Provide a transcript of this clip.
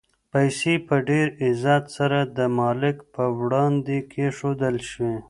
پیسې په ډېر عزت سره د مالک په وړاندې کېښودل شوې.